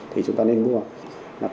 thì chúng ta nên mua